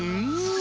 うん。